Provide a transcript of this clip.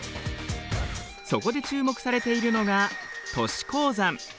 そこで注目されているのが都市鉱山。